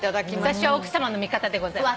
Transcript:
私は奥さまの味方でございます。